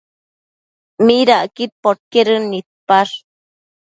¿Midacquid podquedën nidpash?